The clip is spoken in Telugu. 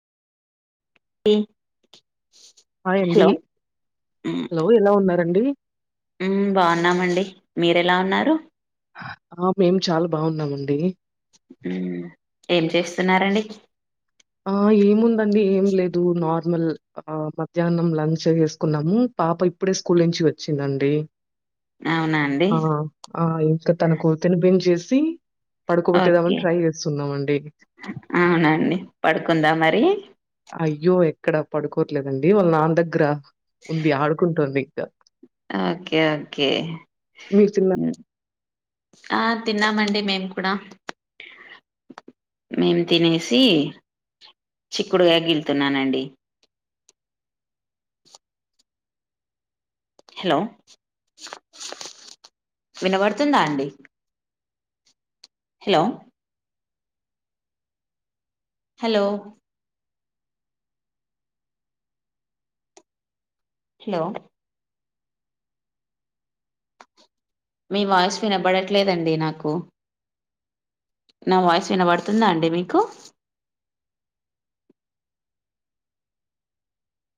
హాయ్ అండి. Hello hello! ఎలా ఉన్నారండి? హ్మ్ బాగున్నామండి మీరెలా ఉన్నారు ఆ మేము చాలా బాగున్నామండి. ఉమ్ ఏం చేస్తున్నారండి? ఆ ఏముందండి ఏం లేదు, నార్మల్ ఆ మధ్యాహ్నం లంచ్ వేసుకున్నం. పాప ఇప్పుడే స్కూల్ నుంచి వచ్చిందండి. అవునా అండి ఆ ఆ ఇంకా తనకు తినిపించేసి పడుకోబెట్టేదామని ఓకే ట్రై చేస్తున్నామండి అవునండి పడుకుందా మరి అయ్యో ఎక్కడ పడుకోవట్లేదండి వాళ్ళ నాన్న దగ్గర ఉంది ఆడుకుంటుంది ఇంకా ఓకే ఓకే మీరు తిన్న మ్మ్. ఆ తిన్నామండి మేము కూడా మేము తినేసి చిక్కుడుకాయ గిళ్తున్నానండి హలో వినబడుతుందా అండి హలో హలో హలో మీ వాయిస్ వినబడట్లేదండి నాకు నా వాయిస్ వినబడుతుందా అండి మీకు